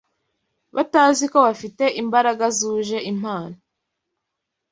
batazi ko bafite imbaraga zuje impano